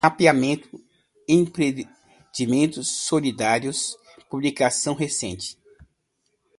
Mapeamento, empreendimentos, solidários, publicações recentes